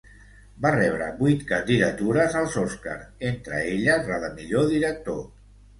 Va rebre vuit candidatures als Oscar, entre elles la de millor director.